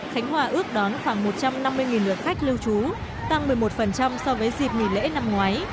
khánh hòa ước đón khoảng một trăm năm mươi lượt khách lưu trú tăng một mươi một so với dịp nghỉ lễ năm ngoái